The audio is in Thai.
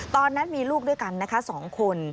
ตอนนั้นมีลูกด้วยกันนะคะ๒คน